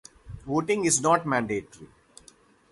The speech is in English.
Voting is not mandatory.